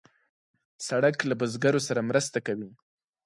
سړک له بزګرو سره مرسته کوي.